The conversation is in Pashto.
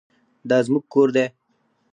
دا زموږ کور دی؟